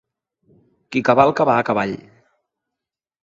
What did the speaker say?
Qui cavalca va a cavall.